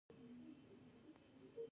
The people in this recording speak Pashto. باسواده نجونې د کور صفايي ته پام کوي.